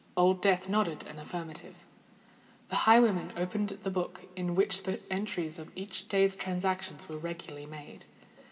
Old Death nodded an affirmative. The highwayman opened the book, in which the entries of each day's transactions were regularly made.